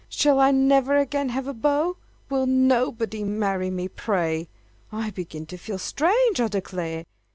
Shall I never again have a beau? Will nobody marry me, pray! I begin to feel strange, I declare!